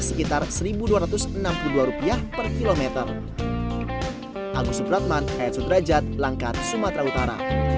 sekitar seribu dua ratus enam puluh dua rupiah per kilometer